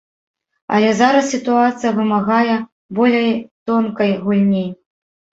Але зараз сітуацыя вымагае болей тонкай гульні.